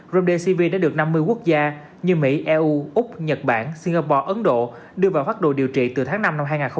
romdesv đã được năm mươi quốc gia như mỹ eu úc nhật bản singapore ấn độ đưa vào phát đồ điều trị từ tháng năm năm hai nghìn hai mươi